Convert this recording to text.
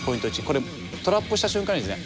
これトラップをした瞬間にですね